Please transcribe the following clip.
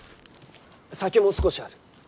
酒も少しある。